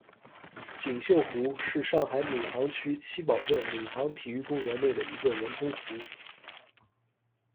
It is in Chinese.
锦绣湖，是上海市闵行区七宝镇闵行体育公园内的一个人工湖。